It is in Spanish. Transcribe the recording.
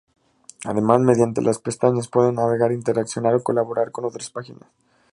Además, mediante las pestañas, pueden navegar, interaccionar o colaborar con otras páginas.